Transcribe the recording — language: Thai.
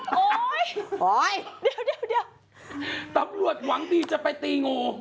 โอ๊ยเดี๋ยวฮาแฮปด้วยถ้าตำรวจหวังดีจะไปตีงู